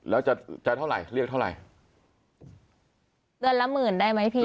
แล้วจะจะเท่าไหร่เรียกเท่าไหร่เดือนละหมื่นได้ไหมพี่